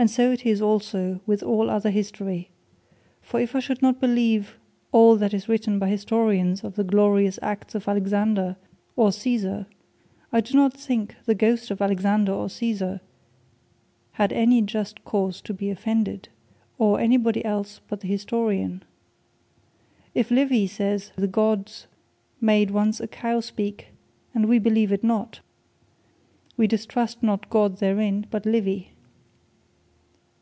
And so it is also with all other History. For if I should not believe all that is written By Historians, of the glorious acts of Alexander, or Caesar; I do not think the Ghost of Alexander, or Caesar, had any just cause to be offended; or any body else, but the Historian. If Livy say the Gods made once a Cow speak, and we believe it not; wee distrust not God therein, but Livy.